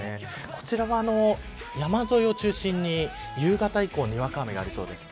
こちらは、山沿いを中心に夕方以降、にわか雨がありそうです。